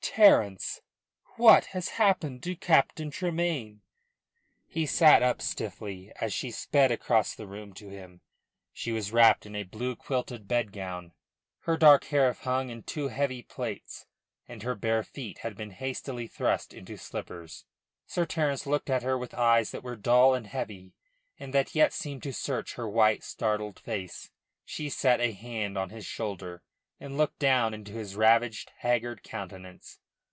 "Terence! What has happened to Captain Tremayne?" He sat up stiffly, as she sped across the room to him. She was wrapped in a blue quilted bed gown, her dark hair hung in two heavy plaits, and her bare feet had been hastily thrust into slippers. Sir Terence looked at her with eyes that were dull and heavy and that yet seemed to search her white, startled face. She set a hand on his shoulder, and looked down into his ravaged, haggard countenance.